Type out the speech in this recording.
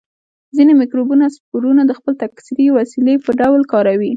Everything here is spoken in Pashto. ځینې مکروبونه سپورونه د خپل تکثري وسیلې په ډول کاروي.